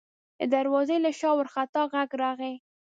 د دروازې له شا وارخطا غږ راغی: